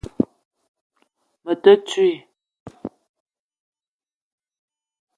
Me te ntouii